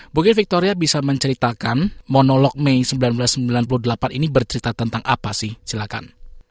mungkin victoria bisa menceritakan monolog mei seribu sembilan ratus sembilan puluh delapan ini bercerita tentang apa sih silakan